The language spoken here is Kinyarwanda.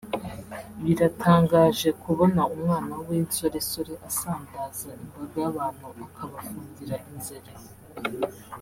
Biratangaje kubona umwana w’insoresore asandaza imbaga y’abantu akabafungira inzira